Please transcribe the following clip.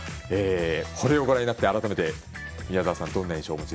これをご覧になって改めて宮澤さんはどんな印象を？